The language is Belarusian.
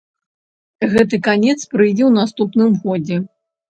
Гэты канец прыйдзе ў наступным годзе.